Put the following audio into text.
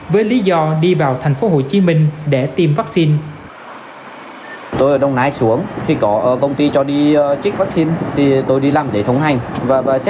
với lý do đi vào tp hcm để tiêm vaccine